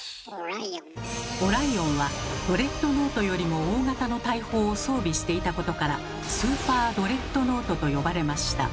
オライオンはドレッドノートよりも大型の大砲を装備していたことから「スーパードレッドノート」と呼ばれました。